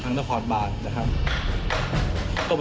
สนุนโดยน้ำดื่มสิง